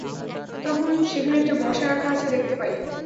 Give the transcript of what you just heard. তখন সেখানে একটা বর্শা রাখা আছে দেখতে পাই।